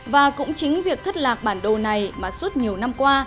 và cũng chính việc thất lạc bản đồ này mà suốt nhiều năm qua